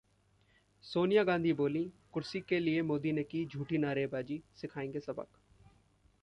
सोनिया गांधी बोलीं- कुर्सी के लिए मोदी ने की झूठी नारेबाजी, सिखाएंगे सबक